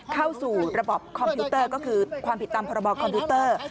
เข้าสู่ระบบคอมพิวเตอร์ก็คือความผิดตามพรบคอมพิวเตอร์